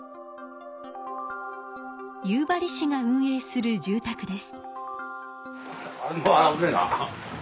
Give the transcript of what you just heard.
夕張市が運営する住たくです。